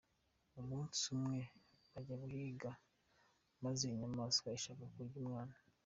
Umunsi umwe bajyanye guhiga, maze inyamaswa ishaka kurya umwami.